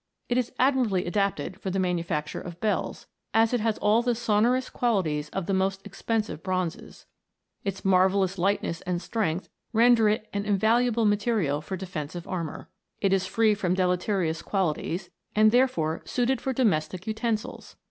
It is admirably adapted for the manufacture of bells, as it has all the sonorous qualities of the most expensive bronzes. Its marvel lous lightness and strength render it an invaluable material for defensive armour. It is free from deleterious qualities, and therefore suited for domes tic utensils.